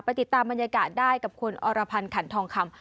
ติดตามบรรยากาศได้กับคุณอรพันธ์ขันทองคำ